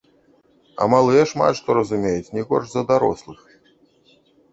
А малыя шмат што разумеюць не горш за дарослых.